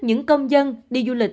những công dân đi du lịch